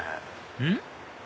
うん？